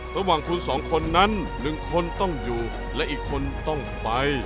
ระหว่างคุณสองคนนั้น๑คนต้องอยู่และอีกคนต้องไป